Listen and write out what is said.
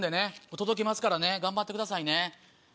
届けますからね頑張ってくださいね。